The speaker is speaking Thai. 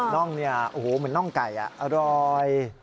น่องเนี่ยโอ้โหเหมือนน่องไก่อร่อย